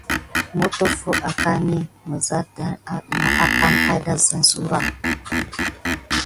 Motoffo akani midasame nafet an mikeka sura.